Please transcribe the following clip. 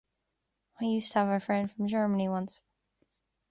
I used to have a friend from Germany once.